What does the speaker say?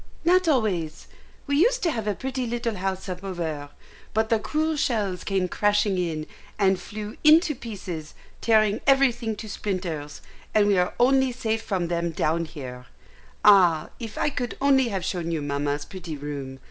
"Not always. We used to have a pretty little house up over, but the cruel shells came crashing in, and flew into pieces, tearing everything to splinters, and we are only safe from them down here. Ah, if I could only have shown you Mamma's pretty room!